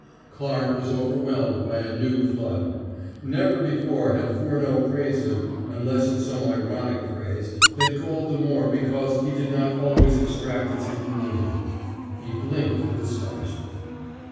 Clarke was overwhelmed by a new flood. Never before had Furneaux praised him, unless in some ironic phrase that galled the more because he did not always extract its hidden meaning. He blinked with astonishment.